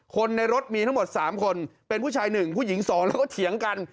คนในรถมีทั้งหมด๓คนเป็นผู้ชาย๑ผู้หญิง๒แล้วก็เถียงกัน